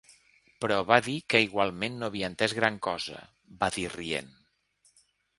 Però va dir que igualment no havia entès gran cosa –va dir rient–.